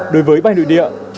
đối với bay nội địa